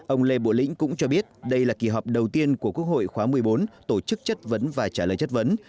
ông lê bộ lĩnh cũng cho biết đây là kỳ họp đầu tiên của quốc hội khóa một mươi bốn tổ chức chất vấn và trả lời chất vấn